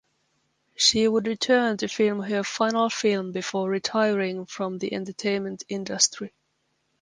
She would return to film her final film before retiring from the entertainment industry.